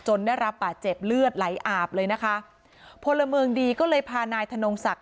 ได้รับบาดเจ็บเลือดไหลอาบเลยนะคะพลเมืองดีก็เลยพานายธนงศักดิ